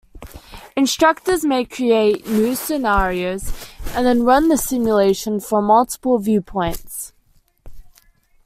Instructors may create new scenarios and then run the simulation from multiple viewpoints.